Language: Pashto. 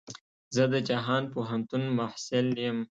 زه د جهان پوهنتون محصل يم.